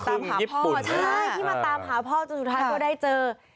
ใช่ที่มาตามหาพ่อจนสุดท้ายก็ได้เจอ